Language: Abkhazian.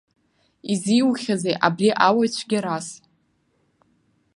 Изиухьази абри ауаҩ цәгьарас.